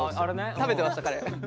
食べてました彼。